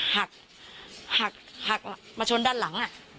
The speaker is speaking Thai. หักหักมาชนด้านหลัง